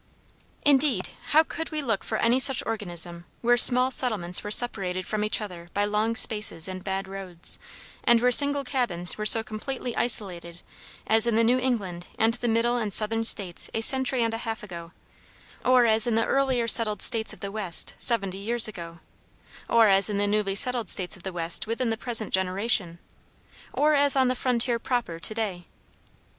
Indeed, how could we look for any such organism where small settlements were separated from each other by long spaces and bad roads, and where single cabins were so completely isolated, as in the New England and the Middle and Southern States a century and a half ago, or as in the earlier settled States of the West seventy years ago, or as in the newly settled States of the West within the present generation, or as on the frontier proper to day?